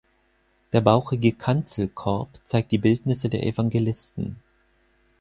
Der bauchige Kanzelkorb zeigt die Bildnisse der Evangelisten.